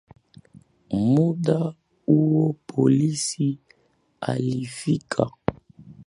Muda huo polisi alifika